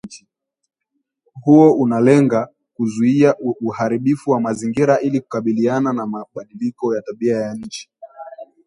huo unalenga kuzuia uharibifu wa mazingira ili kukabiliana na mabadiliko ya tabia nchi